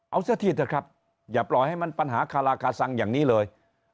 เอาเสื้อที่เถอะครับอย่าปล่อยให้มันปัญหาคาราคาซังอย่างนี้เลย